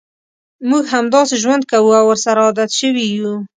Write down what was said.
موږ همداسې ژوند کوو او ورسره عادت شوي یوو.